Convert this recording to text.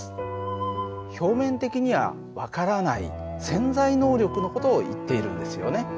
表面的には分からない潜在能力の事をいっているんですよね。